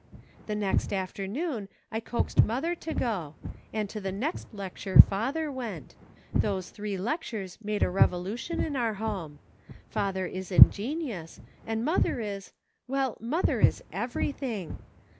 " The next afternoon I coaxed mother to go, and to the next lecture father went ; those three lectures made a revolution in our home. Father is ingenious, and mother is — well, mother is everything.